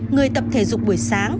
người tập thể dục buổi sáng